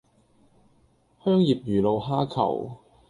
香葉魚露蝦球